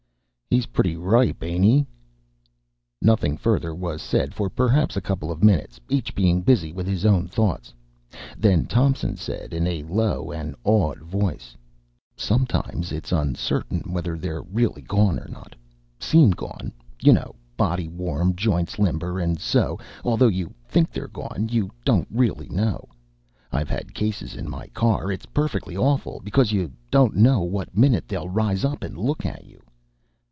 "He's pretty ripe, ain't he!" Nothing further was said for perhaps a couple of minutes, each being busy with his own thoughts; then Thompson said, in a low, awed voice, "Sometimes it's uncertain whether they're really gone or not, seem gone, you know body warm, joints limber and so, although you think they're gone, you don't really know. I've had cases in my car. It's perfectly awful, becuz you don't know what minute they'll rise up and look at you!"